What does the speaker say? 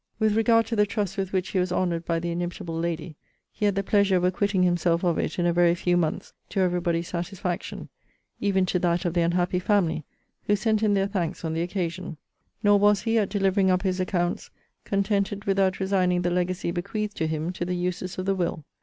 With regard to the trust with which he was honoured by the inimitable lady, he had the pleasure of acquitting himself of it in a very few months, to every body's satisfaction; even to that of the unhappy family; who sent him their thanks on the occasion. Nor was he, at delivering up his accounts, contented without resigning the legacy bequeathed to him, to the uses of the will.